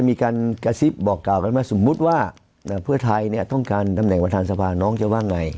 มีการกระซิบบอกกล่าวกันว่าสมมุติว่าเพื่อไทยต้องการตำแหน่งประธานสภาน้องจะว่าไง